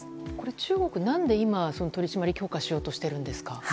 中国は何で今、取り締まりを強化しようとしているんですか。